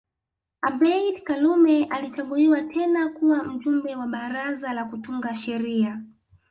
Abeid Karume alichaguliwa tena kuwa mjumbe wa baraza la kutunga sheria